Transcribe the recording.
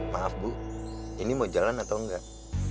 maaf bu ini mau jalan atau enggak